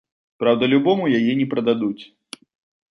Праўда, любому яе не прададуць.